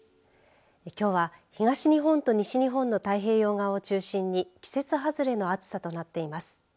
きょうは東日本と西日本の太平洋側を中心に季節外れの暑さとなっています。